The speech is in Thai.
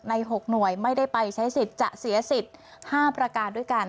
๖หน่วยไม่ได้ไปใช้สิทธิ์จะเสียสิทธิ์๕ประการด้วยกัน